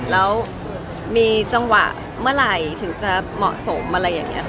แล้วมีจังหวะเมื่อไหร่ถึงจะเหมาะสมอะไรอย่างนี้ค่ะ